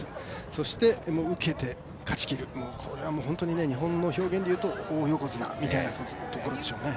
そして、受けて勝ちきる、これは本当に日本の表現で言うと大横綱というところでしょうね。